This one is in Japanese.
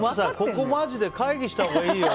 ここ、マジで会議したほうがいいよ。